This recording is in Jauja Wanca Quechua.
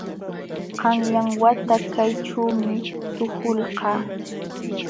Qanyan wata kayćhuumi tuhulqaa.